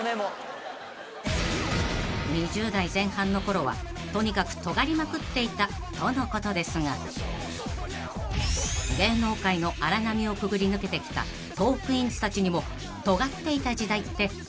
［２０代前半のころはとにかくトガりまくっていたとのことですが芸能界の荒波をくぐり抜けてきたトークィーンズたちにも］